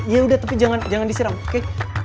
yaudah tapi jangan disiram oke